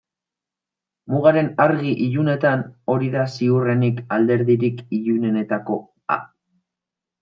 Mugaren argi-ilunetan hori da ziurrenik alderik ilunenetakoa.